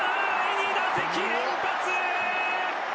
２打席連発！